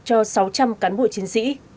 cho sáu trăm linh cán bộ chiến sĩ